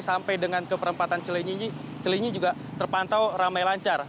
sampai dengan ke perempatan cilinyi juga terpantau ramai lancar